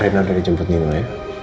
reina sudah dijemput nino ya